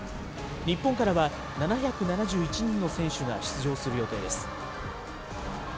日本からは７７１人の選手が出場する予定です。